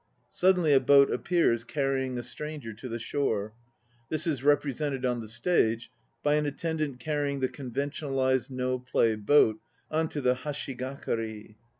Suddenly a boat appears carrying a stranger to the shore. This is represented on the stage by an attendant carrying the conventionalized No play "boat" on to the hashi gakari.